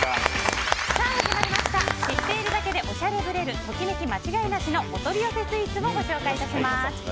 知っているだけでおしゃれぶれるときめき間違いなしのお取り寄せスイーツをご紹介致します。